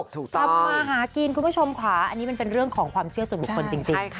ทำมาหากินคุณผู้ชมค่ะอันนี้มันเป็นเรื่องของความเชื่อส่วนบุคคลจริง